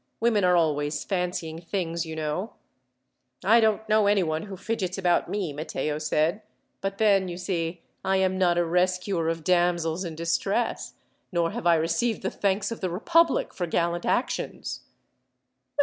Women are always fancying things, you know." "I don't know anyone who fidgets about me," Matteo said; "but then, you see, I am not a rescuer of damsels in distress, nor have I received the thanks of the republic for gallant actions."